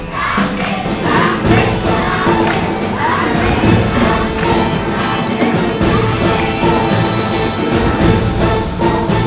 ความบัตร